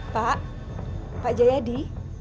pak pak jayadi